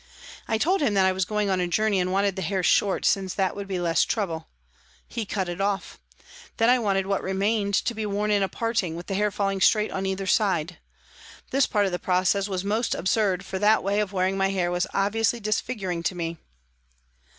I told him that I was going a journey and wanted the hair short, since that would be less trouble. He cut it off. Then I wanted what remained to be worn in a parting, with the hair falling straight on either side. This part of the process was most absurd, for that way of wearing my hair was obviously disfiguring to me.